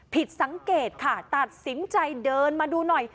ผิดสังเกตค่ะตัดสินใจเดินมาดูหน่อย